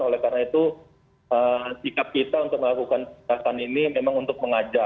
oleh karena itu sikap kita untuk melakukan kegiatan ini memang untuk mengajak